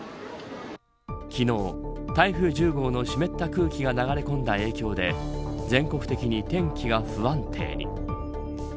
昨日、台風１０号の湿った空気が流れ込んだ影響で全国的に天気が不安定に。